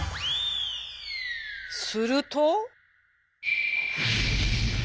すると。